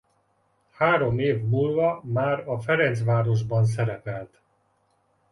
Három év múlva már a Ferencvárosban szerepelt.